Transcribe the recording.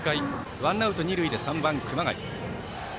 ワンアウト、二塁で３番、熊谷。